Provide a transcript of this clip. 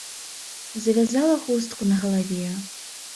Завязала хустку на галаве.